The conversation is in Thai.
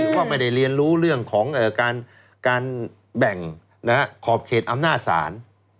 ว่าไม่ได้เรียนรู้เรื่องของการแบ่งขอบเขตอำนาจศาล